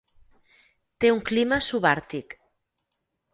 Té un clima subàrtic.